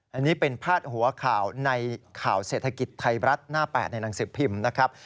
อันนี้เป็นพาดหัวข่าวในข่าวเศรษฐกิจไทยรัฐหน้า๘ในหนังสือพิมพ์นะครับ